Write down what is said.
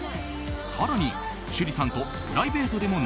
更に趣里さんとプライベートでも